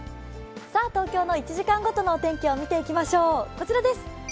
東京の１時間ごとのお天気を見ていきましょう、こちらです。